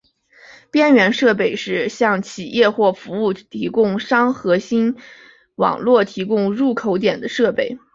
边缘设备是向企业或服务提供商核心网络提供入口点的设备。